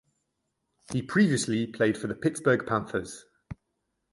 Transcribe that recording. He previously played for the Pittsburgh Panthers.